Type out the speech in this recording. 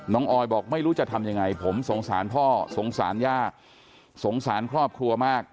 ออยบอกไม่รู้จะทำยังไงผมสงสารพ่อสงสารย่าสงสารครอบครัวมาก